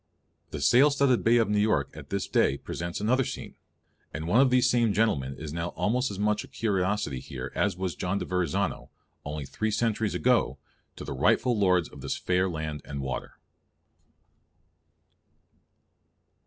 The sail studded bay of New York at this day presents another scene; and one of these same "gentlemen" is now almost as much a curiosity here as was John de Verrazano, only three centuries ago, to the rightful lords of this fair land and water.